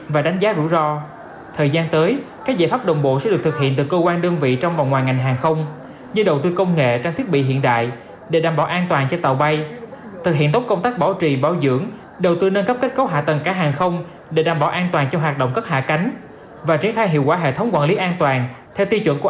và làm việc bán thời gian trong việc hướng dẫn thu tục và thực hiện check in online